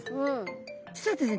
実はですね